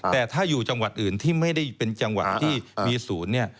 แต่ถ้าอยู่จังหวัดอื่นที่ไม่ได้เป็นจังหวัดที่มีศูนย์เนี่ย